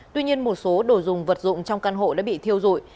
tuy nhiên một số đồ dùng vật dụng trong căn hộ đã bị thiêu dụi